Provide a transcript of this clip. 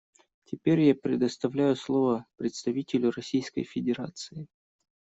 Теперь я предоставляю слово представителю Российской Федерации.